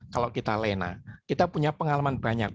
kalau kita lena kita punya pengalaman banyak